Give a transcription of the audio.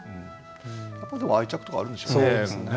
やっぱでも愛着とかあるんでしょうね。